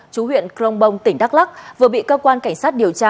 chú huyện crong bong tỉnh đắk lắc vừa bị cơ quan cảnh sát điều tra